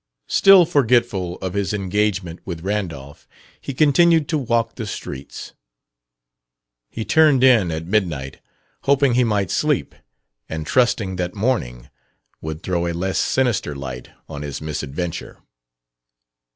Still forgetful of his engagement with Randolph, he continued to walk the streets. He turned in at midnight, hoping he might sleep, and trusting that morning would throw a less sinister light on his misadventure.